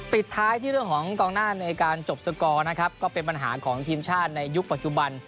ปิดท้ายที่เรื่องของกองหน้าในการจบสกอร์นะครับก็เป็นปัญหาของทีมชาติในยุคปัจจุบัน